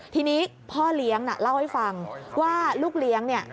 ทีนี้พ่อเลี้ยงน่ะเล่าให้ฟังว่าลูกเลี้ยงเนี่ย